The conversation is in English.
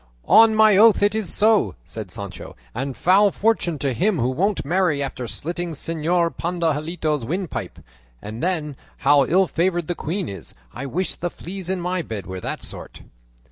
"On my oath it is so," said Sancho; "and foul fortune to him who won't marry after slitting Señor Pandahilado's windpipe! And then, how ill favoured the queen is! I wish the fleas in my bed were that sort!"